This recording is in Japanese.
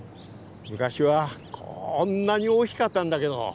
昔はこんなに大きかったんだけど。